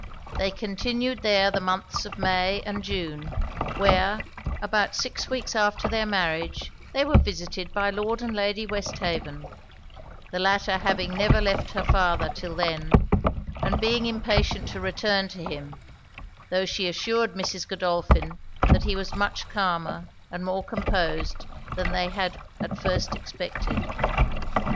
They continued there the months of May and June; where, about six weeks after their marriage, they were visited by Lord and Lady Westhaven; the latter having never left her father 'till then, and being impatient to return to him, tho' she assured Mrs. Godolphin that he was much calmer and more composed than they had at first expected.